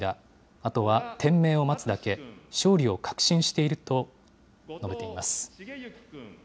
あとは天命を待つだけ、勝利を確信していると述べています。